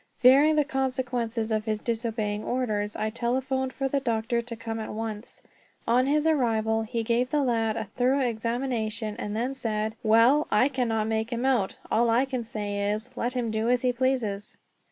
Fearing the consequences of his disobeying orders, I telephoned for the doctor to come at once. On his arrival he gave the lad a thorough examination, and then said: "Well, I cannot make him out; all I can say is, let him do as he pleases."